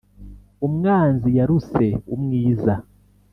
Umwanzi yaruse umwiza!